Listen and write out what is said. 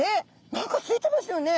何かついてますよね。